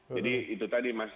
jadi itu tadi mas